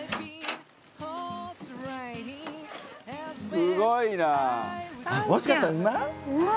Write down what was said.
すごいな。